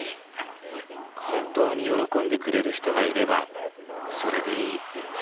本当に喜んでくれる人がいればそれでいい。